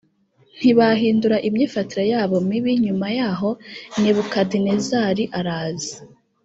ntibahindura imyifatire yabo mibi nyuma y aho nebukadinezari araza